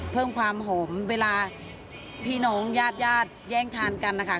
เพิ่มความหอมเวลาพี่น้องญาติญาติแย่งทานกันนะคะ